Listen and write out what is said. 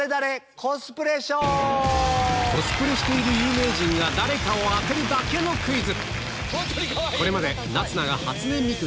コスプレしている有名人が誰かを当てるだけのクイズ